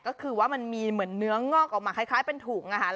ก็คือว่ามันมีเหมือนเนื้องอกออกมาคล้ายเป็นถุงอาหาร